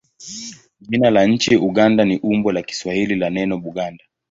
Jina la nchi Uganda ni umbo la Kiswahili la neno Buganda.